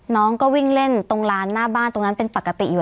น้องก็วิ่งเล่นตรงร้านหน้าบ้านตรงนั้นเป็นปกติอยู่